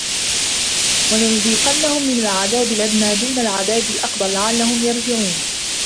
وَلَنُذِيقَنَّهُمْ مِنَ الْعَذَابِ الْأَدْنَى دُونَ الْعَذَابِ الْأَكْبَرِ لَعَلَّهُمْ يَرْجِعُونَ